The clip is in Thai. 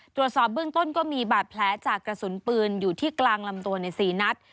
ตรวจสอบเบื้องต้นก็มีบาดแผลจากกระสุนปืนอยู่ที่กลางลำตัวใน๔นัด